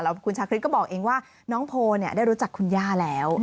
คุณชาคริสก็บอกเองว่าน้องโพลได้รู้จักคุณย่าแล้ว